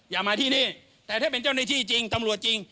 อย่ามาที่นี่แต่ถ้าเป็นเจ้าหน้าที่จริงตำรวจจริง